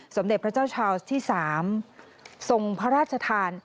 สมเด็จพระเจ้าชาวสที่๓ทรงพระราชทาน